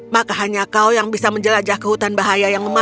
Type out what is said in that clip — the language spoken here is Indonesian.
maka hanya kau yang bisa menjelajah ke hutan bahaya yang lemah